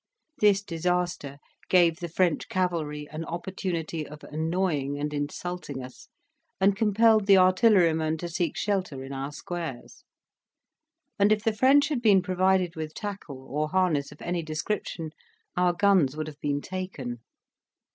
This disaster gave the French cavalry an opportunity of annoying and insulting us, and compelled the artillerymen to seek shelter in our squares; and if the French had been provided with tackle, or harness of any description, our guns would have been taken.